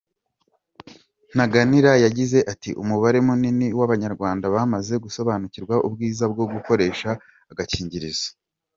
Ntaganira yagize ati “Umubare munini w’Abanyarwanda bamaze gusobanukirwa ubwiza bwo gukoresha agakingirizo.